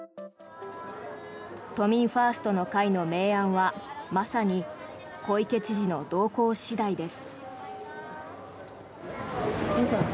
都民ファーストの会の明暗はまさに小池知事の動向次第です。